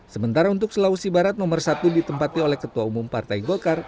sementara untuk sulawesi barat nomor satu ditempati oleh ketua umum partai golkar